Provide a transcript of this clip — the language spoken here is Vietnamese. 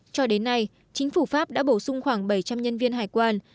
cho đến nay chính phủ pháp đã bổ sung khoảng bảy trăm linh nhân viên hải quan